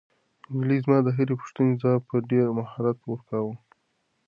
نجلۍ زما د هرې پوښتنې ځواب په ډېر مهارت ورکاوه.